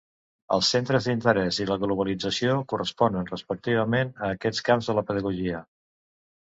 Els centres d'interès i la globalització corresponen respectivament a aquests camps de la pedagogia.